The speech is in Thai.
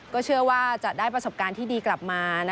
ก็เชื่อว่าจะได้ประสบการณ์ที่ดีกลับมา